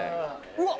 「うわっ！